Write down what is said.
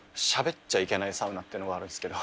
なんかっていうのがあるんですけど。